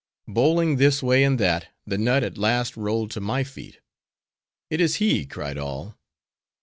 Bowling this way and that, the nut at last rolled to my feet.—'It is he!' cried all.